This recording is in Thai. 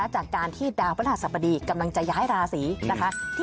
จากการที่ดาวพระธรรมดีกำลังจะย้ายราศี